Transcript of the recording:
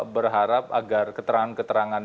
berharap agar keterangan keterangan